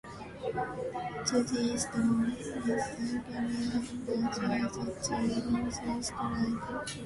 To the east is the crater Diophantus and to the northeast lies Delisle.